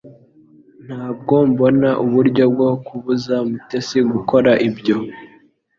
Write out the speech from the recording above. Ntabwo mbona uburyo bwo kubuza Mutesi gukora ibyo